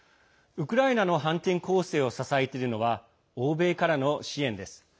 ウクライナの反転攻勢を支えているのは欧米からの支援です。